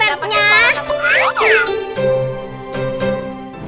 nih silahkan petnya